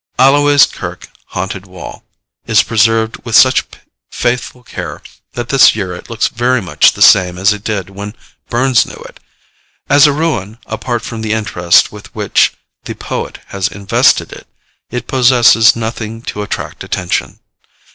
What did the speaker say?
'Alloway's kirk haunted wall' is preserved with such faithful care, that this year it looks very much the same as it did when Burns knew it. As a ruin, apart from the interest with which the poet has invested it, it possesses nothing to attract attention.